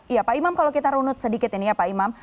iya pak imam kalau kita runut sedikit ini ya pak imam